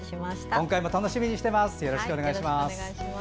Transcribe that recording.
今回も楽しみにしています。